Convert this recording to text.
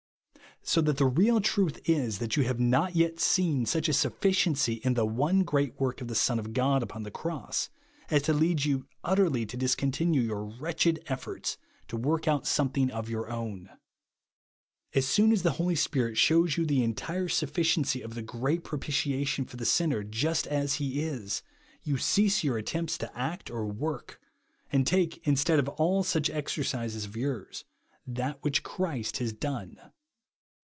So that the real truth is, that you have not yet seen such a sufficiency in the one great work of the Son of God upon the cross, as to lead you utterly to discontinue your v/retched efforts to Avork out something of your owti. As soon as the Holy Spirit shews you the entire sufficiency of the great propitiation, for the sinner, just as he is, you cease your attempts to act or work, and take, instead of all such exercises of yours, that which Christ has done.